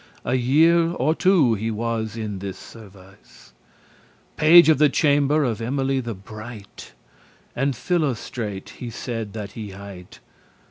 A year or two he was in this service, Page of the chamber of Emily the bright; And Philostrate he saide that he hight.